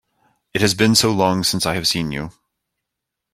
It has been so long since I have seen you!